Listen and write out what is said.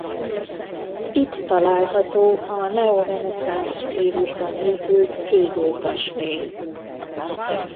Itt található a neoreneszánsz stílusban épült Kégl-kastély.